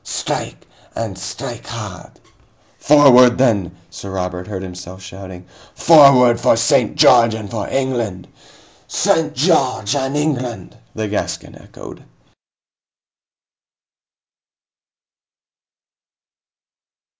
Strike and strike hard!" "Forward then!" Sir Robert heard himself shouting. "Forward for St. George and for England!" "St. George and England!" the Gascon echoed.